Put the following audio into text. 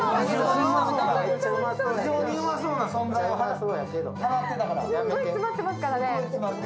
すごい詰まってますからね。